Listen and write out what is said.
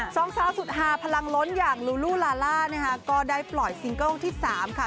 ซองซาวสุดหาพลังล้นอย่างลูลูลาล่าได้ปล่อยซิงเกิลที่๓ค่ะ